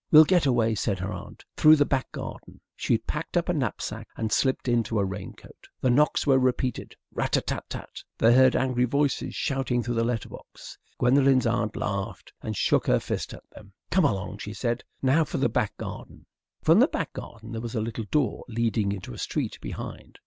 "We'll get away," said her aunt, "through the back garden." She had packed up a knapsack and slipped into a rain coat. The knocks were repeated rat a tat tat. They heard angry voices shouting through the letter box. Gwendolen's aunt laughed and shook her fist at them. "Come along," she said; "now for the back garden." From the back garden there was a little door leading into a street behind.